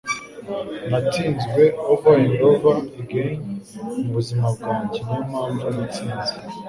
Natsinzwe & over & over again mubuzima bwanjye & niyo mpamvu natsinze."